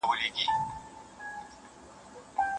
پر ملا به کړوپه بوډۍ زړه یې